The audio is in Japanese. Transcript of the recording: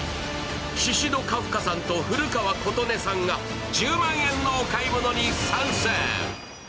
シシド・カフカさんと古川琴音さんが１０万円のお買い物に参戦。